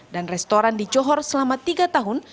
dan restoran di johor selama tiga tahun